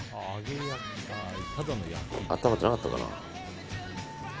あったまってなかったかな。